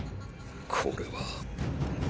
これは。